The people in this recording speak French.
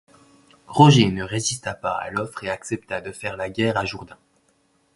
Roger ne résista pas à l'offre et accepta de faire la guerre à Jourdain.